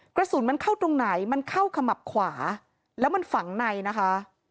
กระสุนมันเข้าตรงไหนมันเข้าขมับขวาแล้วมันฝังในนะคะ